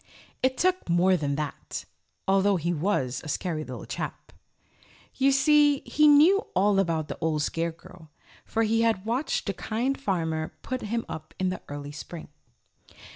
It took more than that, although he was a scary little chap. You see, he knew all about the Old Scarecrow, for he had watched the Kind Farmer put him up in the early Spring.